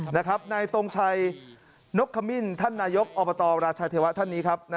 นายทรงชัยนกขมิ้นท่านนายกอบตราชาเทวะท่านนี้ครับ